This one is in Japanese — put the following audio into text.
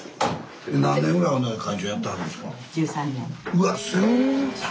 うわっ。